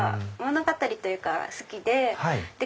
物語というか好きで。